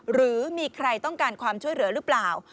หรือมีใครต้องการความช่วยเหลือหรือเปล่า